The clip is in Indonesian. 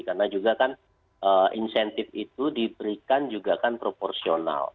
karena juga kan insentif itu diberikan juga kan proporsional